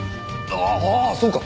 ああそうか！